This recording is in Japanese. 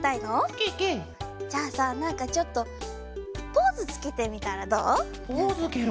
ケケ！じゃあさなんかちょっとポーズつけてみたらどう？